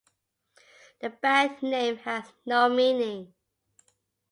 The band name has no meaning.